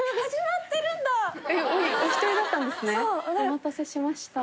お待たせしました。